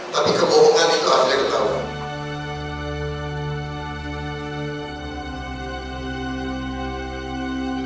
tapi kebohongan itu akhirnya ketahuan